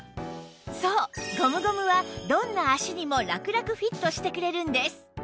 そうゴムゴムはどんな足にもラクラクフィットしてくれるんです